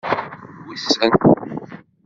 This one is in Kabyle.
Wissen.